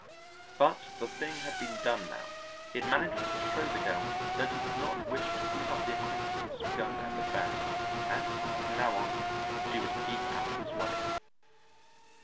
But the thing had been done now, he had managed to show the girl that he did not wish to keep up the acquaintance begun at the Fair, and from now on she would keep out of his way.